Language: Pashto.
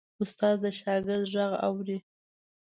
استاد د شاګرد غږ اوري.